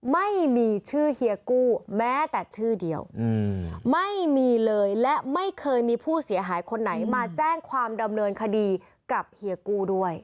ไม่มีชื่อเฮียกู้แม้แต่ชื่อเดียวไม่มีเลยและไม่เคยมีผู้เสียหายคนไหนมาแจ้งความดำเนินคดีกับเฮียกู้ด้วย